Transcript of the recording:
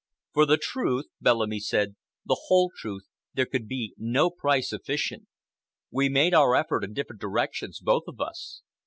"For the truth," Bellamy said, "the whole truth, there could be no price sufficient. We made our effort in different directions, both of us.